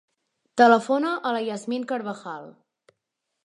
Telefona a la Yasmin Carvajal.